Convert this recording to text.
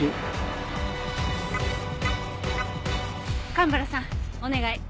蒲原さんお願い。